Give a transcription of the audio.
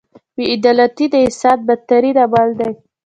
• بې عدالتي د انسان بدترین عمل دی.